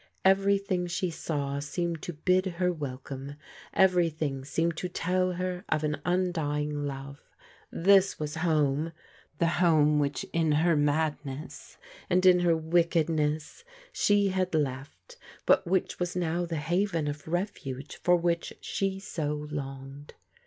Everything she saw seemed to bid her welcome, every thing seemed to tell her of an undying love. This was home — the home which in her madness, and in her wick edness, she had left, but which was now the haven of refuge for which she so longed.